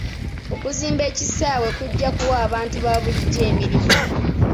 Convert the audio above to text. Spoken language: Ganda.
Okuzimba ekisaawe kujja kuwa abantu ba bulijjo emirimu.